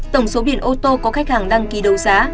tổng số biển ô tô có khách hàng đăng ký đấu giá